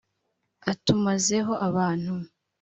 atumaze ho abantu